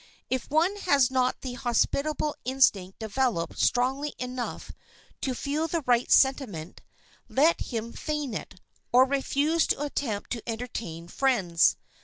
If one has not the hospitable instinct developed strongly enough to feel the right sentiment, let him feign it, or refuse to attempt to entertain friends.